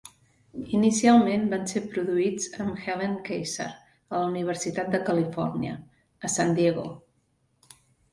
Inicialment van ser produïts amb Helene Keyssar a la Universitat de Califòrnia, a San Diego.